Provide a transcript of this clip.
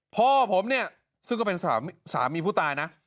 พ่อผมเนี่ยซึ่งก็เป็นสามีผู้ตายนะ